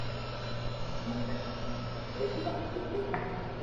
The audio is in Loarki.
مينک رھي ھي ھين اووي آ ٻولي ٻولي ھي